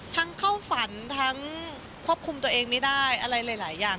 เข้าฝันทั้งควบคุมตัวเองไม่ได้อะไรหลายอย่าง